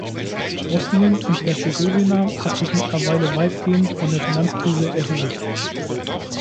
Bosnien und Herzegowina hat sich mittlerweile weitgehend von der Finanzkrise erholt.